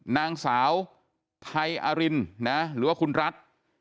นางสาวไทยอรินนะหรือว่าคุณรัฐ